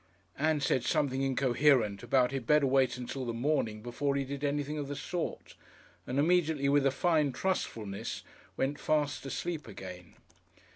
Ann said something incoherent about he'd better wait until the morning before he did anything of the sort, and immediately with a fine trustfulness went fast asleep again.